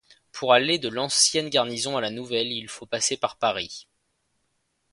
Pour aller de l’ancienne garnison à la nouvelle, il faut passer par Paris.